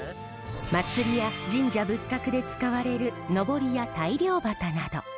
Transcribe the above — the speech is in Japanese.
祭りや神社仏閣で使われるのぼりや大漁旗など。